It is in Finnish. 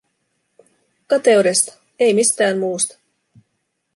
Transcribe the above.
Kateudesta, ei mistään muusta.